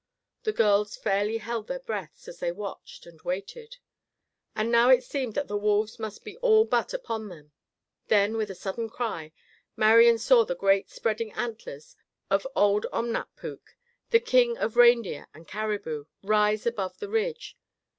The girls fairly held their breaths as they watched and waited. And now it seemed that the wolves must be all but upon them. Then, with a sudden cry, Marian saw the great spreading antlers of old Omnap puk, the king of reindeer and caribou, rise above the ridge.